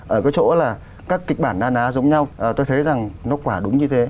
ở cái chỗ là các kịch bản na ná giống nhau tôi thấy rằng nó quả đúng như thế